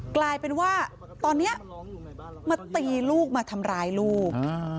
กลายเป็นว่าตอนนี้มาตีลูกมาทำร้ายลูก